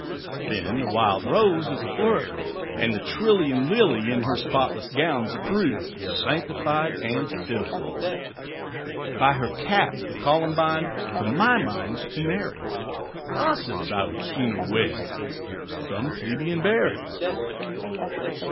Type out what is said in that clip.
Then the Wild Rose is a flirt; And the trillium Lily, In her spotless gown, 's a prude, Sanctified and silly. By her cap the Columbine, To my mind, 's too merry; Gossips, I would sooner wed Some plebeian Berry.